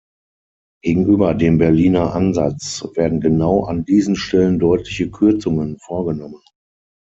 Gegenüber dem Berliner Ansatz werden genau an diesen Stellen deutliche Kürzungen vorgenommen.